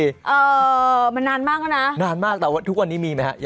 เออมันนานมากแล้วนะนานมากแต่ว่าทุกวันนี้มีไหมฮะ